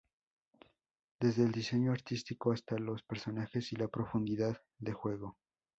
Desde el diseño artístico, hasta los personajes y la profundidad de juego"".